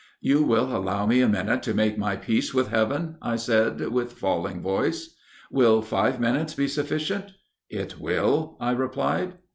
"'You will allow me a minute to make my peace with heaven?' I said, with falling voice." "'Will five minutes be sufficient?'" "'It will,' I replied."